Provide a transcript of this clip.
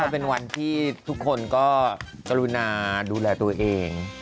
เป็นวันที่ทุกคนก็กรุณาดูแลตัวเอง